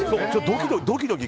ドキドキ。